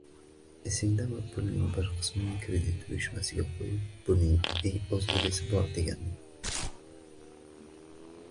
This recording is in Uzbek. Esingdami pulning bir qismini kredit uyushmasiga qo`yib, buning o`z egasi bor degandim